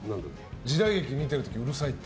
時代劇見てってうるさいって。